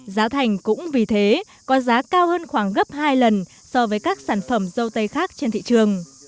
giá thành cũng vì thế có giá cao hơn khoảng gấp hai lần so với các sản phẩm dâu tây khác trên thị trường